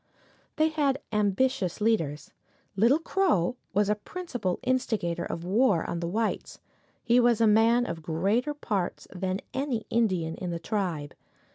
They had ambitious leaders. Little Crow was the principal instigator of war on the whites. He was a man of greater parts than any Indian in the tribe.